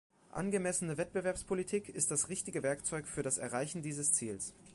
Angemessene Wettbewerbspolitik ist das richtige Werkzeug für das Erreichen dieses Ziels.